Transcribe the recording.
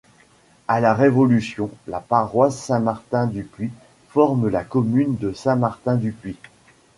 À la Révolution, la paroisse Saint-Martin-du-Puy forme la commune de Saint-Martin-du-Puy.